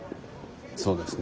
そうですね。